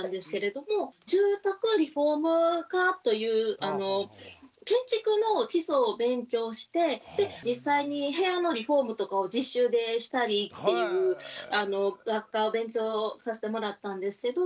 住宅リフォーム科という建築の基礎を勉強して実際に部屋のリフォームとかを実習でしたりっていう学科を勉強させてもらったんですけど。